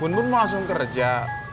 bun bun mau langsung kerja